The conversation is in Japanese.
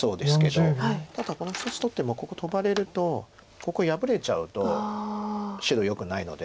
ただこの２つ取ってもここトバれるとここ破れちゃうと白よくないので。